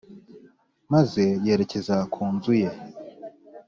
maze yerekeza ku nzu ye